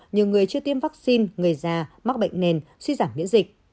nhiều người chưa tiêm vaccine người già mắc bệnh nền suy giảm miễn dịch